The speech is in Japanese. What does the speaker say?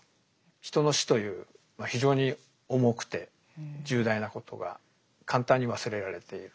人の死という非常に重くて重大なことが簡単に忘れられている。